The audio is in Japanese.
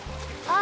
あ。